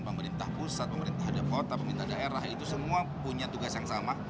pemerintah pusat pemerintah daerah itu semua punya tugas yang sama